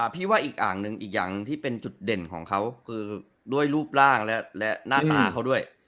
พี่ว่าอีกอ่างที่เป็นจุดเด่นของเขาคือด้วยรูปร่างและหน้าตาเขาด้วย